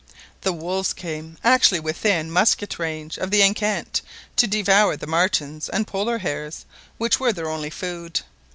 The wolves came actually within musket range of the enceinte to devour the martens and Polar hares, which were their only food.